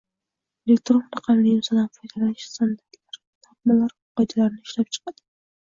elektron raqamli imzodan foydalanish standartlari, normalari va qoidalarini ishlab chiqadi;